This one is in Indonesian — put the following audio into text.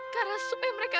karena supaya mereka